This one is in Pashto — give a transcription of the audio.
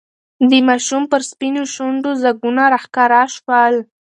د ماشوم پر سپینو شونډو ځگونه راښکاره شول.